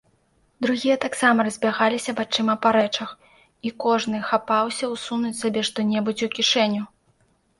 Другія таксама разбягаліся вачыма па рэчах, і кожны хапаўся ўсунуць сабе што-небудзь у кішэню.